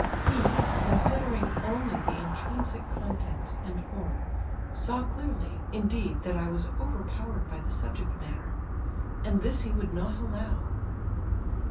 He, consideiiug only the intrinsic contents and form, saw clearly, indeed, that I was overpowered by the subject matter, and this he would not allow.